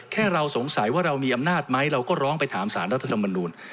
แค่เราสงสัยว่าเรามีอำนาจไหมเราก็ร้องไปถามสารรัฐธรรมนูล